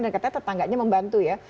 dan katanya tetangganya membantu ya